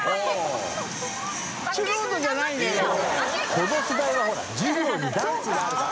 この世代は授業にダンスがあるから。）